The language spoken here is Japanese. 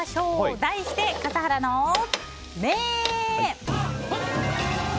題して笠原の眼。